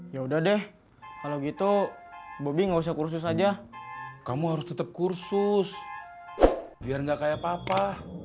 ya udah deh kalau gitu bobby nggak usah kursus aja kamu harus tetap kursus biar nggak kayak papa